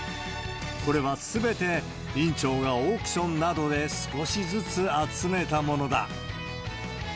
これは、すべて院長がオークションなどで少しずつ集めたものだ。